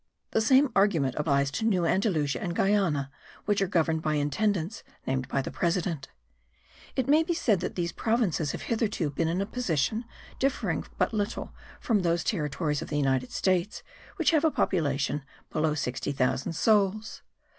The same argument applies to New Andalusia or Guiana which are governed by intendants named by the president. It may be said that these provinces have hitherto been in a position differing but little from those territories of the United States which have a population below 60,000 souls.